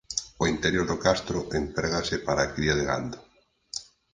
O interior do castro emprégase para a cría de gando.